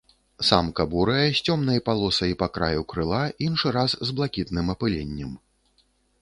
Самка бурая з цёмнай палосай па краю крыла, іншы раз з блакітным апыленнем.